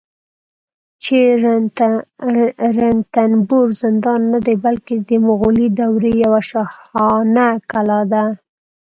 چې رنتنبور زندان نه دی، بلکې د مغولي دورې یوه شاهانه کلا ده